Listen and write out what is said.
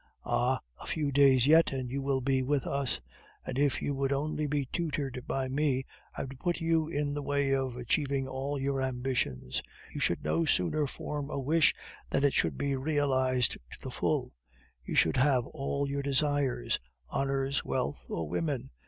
Ah! a few days yet, and you will be with us; and if you would only be tutored by me, I would put you in the way of achieving all your ambitions. You should no sooner form a wish than it should be realized to the full; you should have all your desires honors, wealth, or women.